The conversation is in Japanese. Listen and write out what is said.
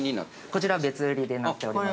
◆こちら別売りになっております。